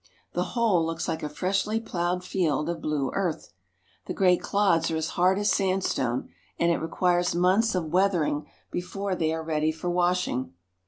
The whole looks like a freshly plowed field of blue earth. The great clods are as hard as sandstone, and it requires months of weathering before they are ready for washing.